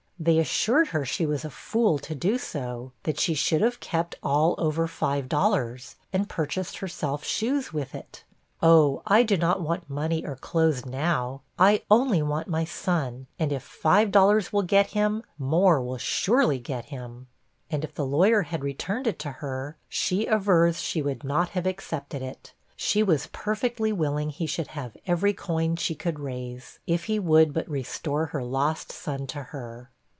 ' They assured her she was a fool to do so; that she should have kept all over five dollars, and purchased herself shoes with it. 'Oh, I do not want money or clothes now, I only want my son; and if five dollars will get him, more will surely get him. ' And if the lawyer had returned it to her, she avers she would not have accepted it. She was perfectly willing he should have every coin she could raise, if he would but restore her lost son to her.